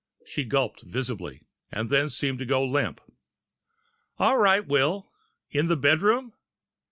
She gulped visibly, and then seemed to go limp. "All right, Will. In the bedroom?"